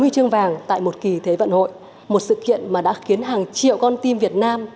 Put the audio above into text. huy chương vàng tại một kỳ thế vận hội một sự kiện mà đã khiến hàng triệu con tim việt nam